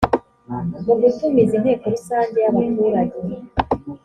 mu gutumiza inteko rusange yabaturage